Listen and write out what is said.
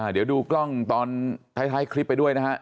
เดี๋ยวดูกล้องตอนท้ายคลิปไปด้วยนะฮะ